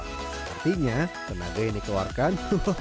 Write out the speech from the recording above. sepertinya tenaga yang dikeluarkan